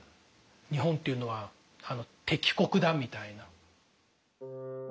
日本っていうのは敵国だみたいな。